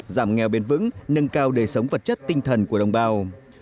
giảm nghèo bền vững nâng cao đời sống vật chất tinh thần của đồng bào